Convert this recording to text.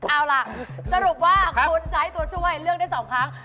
เอาล่ะสรุปว่าคุณใช้ตัวช่วยเลือกได้๒ครั้ง